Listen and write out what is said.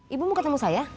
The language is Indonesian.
ibu mau ketemu saya